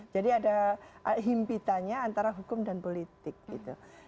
jadi ada impitannya antara hukum dan politik gitu